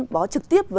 bó trực tiếp